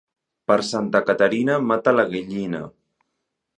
Per Santa Caterina mata la gallina.